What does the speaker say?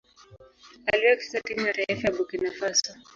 Aliwahi kucheza timu ya taifa ya Burkina Faso.